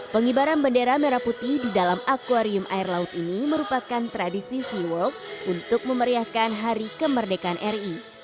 pengibaran bendera merah putih di dalam akwarium air laut ini merupakan tradisi seawork untuk memeriahkan hari kemerdekaan ri